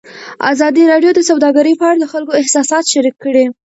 ازادي راډیو د سوداګري په اړه د خلکو احساسات شریک کړي.